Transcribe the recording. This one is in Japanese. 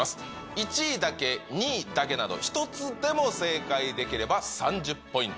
１位だけ、２位だけなど、１つでも正解できれば３０ポイント。